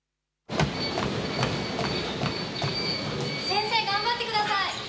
先生頑張ってください！